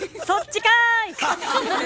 そっちかい！